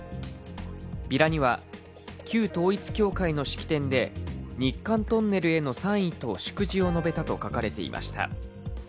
ビラには旧統一教会の式典で日韓トンネルへの賛意と祝辞を述べたと書かれていました。